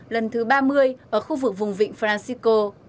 lần thứ ba mươi ở khu vực vùng vịnh francisco